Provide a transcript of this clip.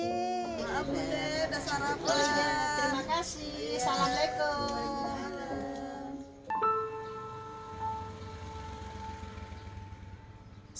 terima kasih assalamualaikum